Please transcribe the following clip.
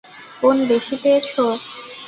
বোন বেশি পেয়েছে।